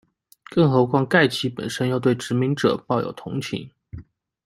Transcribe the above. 更何况盖奇本身又对殖民者抱有同情。